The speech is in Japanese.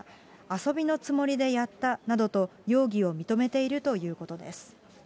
遊びのつもりでやったなどと容疑を認めているということです。